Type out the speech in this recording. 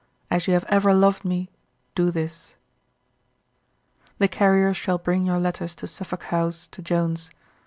As you have ever loved me do this. The carrier shall bring your letters to Suffolk House to Jones.